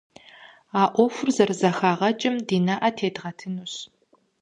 А Ӏуэхухэр зэрызэхагъэкӀым ди нэӀэ тедгъэтынущ.